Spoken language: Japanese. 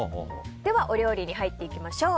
ではお料理に入っていきましょう。